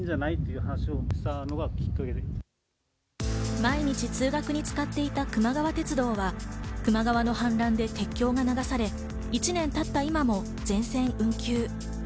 毎日、通学に使っていたくま川鉄道は球磨川の氾濫で鉄橋が流され１年経った今も全線運休。